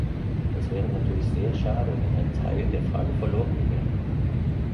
Das wäre natürlich sehr schade, wenn ein Teil der Frage verlorenginge.